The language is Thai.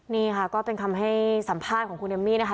นี่ค่ะก็เป็นคำให้สัมภาษณ์ของคุณเอมมี่นะคะ